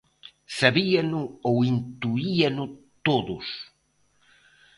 Sabíano ou intuíano todos.